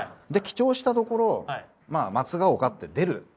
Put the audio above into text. で記帳したところまあ「松が丘」って出る。